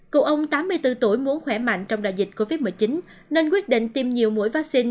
cụ ông tám mươi bốn tuổi muốn khỏe mạnh trong đại dịch covid một mươi chín nên quyết định tiêm nhiều mũi vaccine